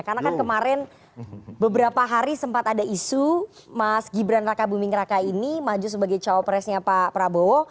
karena kan kemarin beberapa hari sempat ada isu mas gibran raka buming raka ini maju sebagai cowok presnya pak prabowo